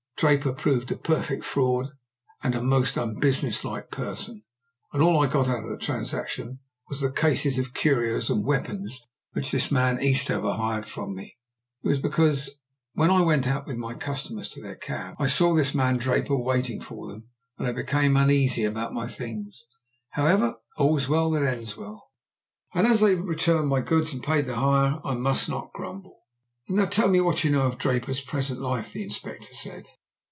Draper proved a perfect fraud and a most unbusiness like person, and all I got out of the transaction was the cases of curios and weapons which this man Eastover hired from me. It was because when I went out with my customers to their cab I saw this man Draper waiting for them that I became uneasy about my things. However, all's well that ends well, and as they returned my goods and paid the hire I must not grumble." "And now tell me what you know of Draper's present life," the Inspector said.